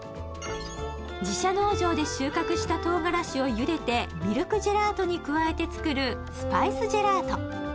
自社農場で収穫した唐辛子をゆでてミルクジェラートに加えて作るスパイス・ジェラート